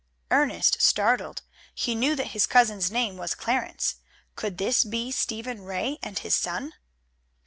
Ernest started. He knew that his cousin's name was Clarence. Could this be Stephen Ray and his son?